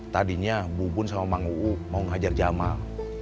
tadinya bubun sama mang uu mau ngajar jamal